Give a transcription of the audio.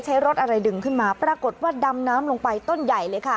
ใช้รถอะไรดึงขึ้นมาปรากฏว่าดำน้ำลงไปต้นใหญ่เลยค่ะ